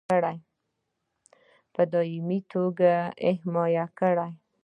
په دایمي توګه حمایه کړي.